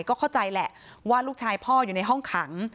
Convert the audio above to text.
ก็เข้าใจแหละว่าลูกชายพ่ออยู่ในห้องขัง